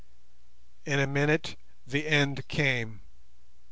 In a minute the end came.